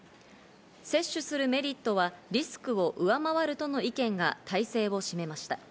接種するメリットはリスクを上回るとの意見が大勢を占めました。